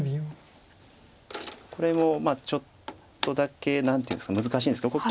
これもちょっとだけ何ていうんですか。